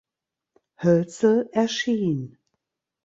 Hölzel erschien.